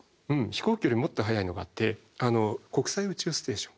飛行機よりもっと速いのがあって国際宇宙ステーション。